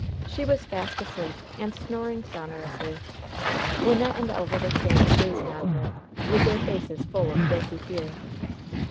She was fast asleep and snoring sonorously. Wynnette and Elva were standing gazing on her, with their faces full of guilty fear.